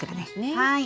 はい。